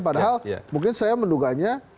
padahal mungkin saya menduganya